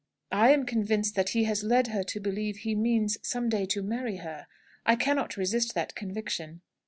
"I am convinced that he has led her to believe he means, some day, to marry her. I cannot resist that conviction."